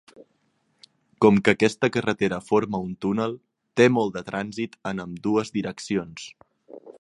Com que aquesta carretera forma un túnel, té molt de trànsit en ambdues direccions.